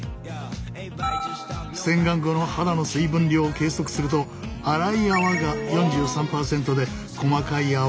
洗顔後の肌の水分量を計測すると粗い泡が４３％で細かい泡は４７％。